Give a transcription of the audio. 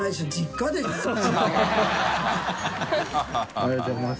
ありがとうございます。